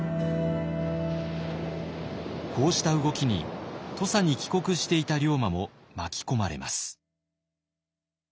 こうした動きに土佐に帰国していた龍馬も巻き込まれます。